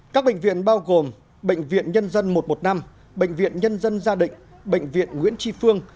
các bệnh viện bao gồm bệnh viện nhân dân một trăm một mươi năm bệnh viện nhân dân gia định bệnh viện nguyễn tri phương